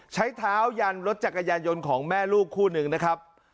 ใช้เท้ายันรถจักรยานยนต์ของแม่ลูกคู่หนึ่งนะครับ